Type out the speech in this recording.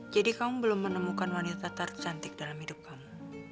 jadi kamu belum menemukan wanita tercantik dalam hidup kamu